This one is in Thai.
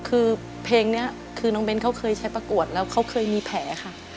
คือเพลงนี้คือน้องเบ้นเขาเคยใช้ประกวดแล้วเขาเคยมีแผลค่ะ